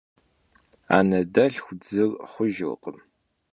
Anedelhxu dzır xhujjırkhım.